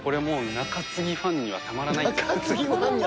中継ぎファンにはたまらない？